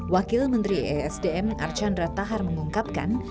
wakil menteri esdm archandra tahar mengungkapkan